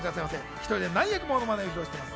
１人で何役もものまねをしています。